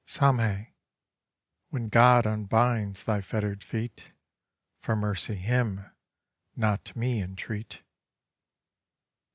SAMHÉ: 'When God unbinds thy fetter'd feet, For mercy him, not me, entreat.